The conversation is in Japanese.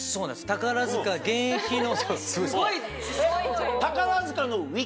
宝塚現役の。